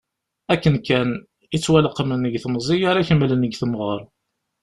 Akken kan i ttwaleqmen deg temẓi ara kemmlen deg temɣer.